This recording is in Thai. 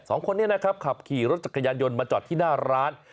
สองคนนี้นะครับขับขี่รถจักรยานยนต์มาจอดที่หน้าร้าน